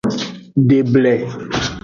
Deble.